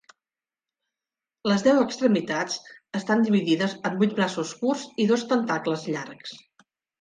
Les deu extremitats estan dividides en vuit braços curts i dos tentacles llargs.